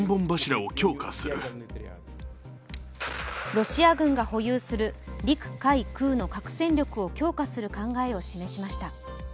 ロシア軍が保有する陸・海・空の核戦力を強化する考えを示しました。